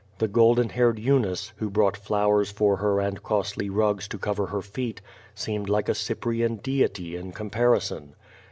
The golden haired Eunice^ who brought flowers for ber and costly rugs to cover her feet, seemed like a Cyprian deity in comparison.